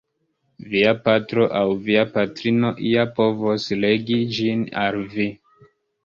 Via patro aŭ via patrino ja povos legi ĝin al vi.